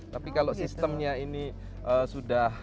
tapi kalau sistemnya ini sudah